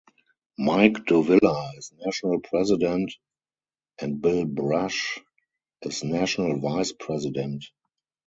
Mike Dovilla is national president and Bill Brasch is national vice president.